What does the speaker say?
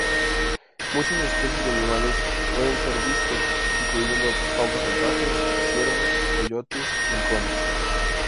Muchas especies de animales pueden ser vistos, incluyendo pavos salvajes, ciervos, coyotes y halcones.